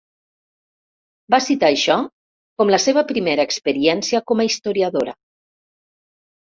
Va citar això com la seva primera experiència com a historiadora.